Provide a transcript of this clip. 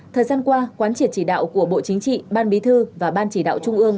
thời gian qua quán triệt chỉ đạo của bộ chính trị ban bí thư và ban chỉ đạo trung ương